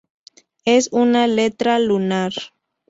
Es una letra lunar.